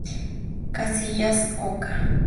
Casillas Oca.